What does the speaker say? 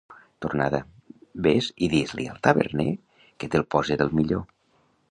Tornada: Ves i dis-li al taverner que te’l pose del millor.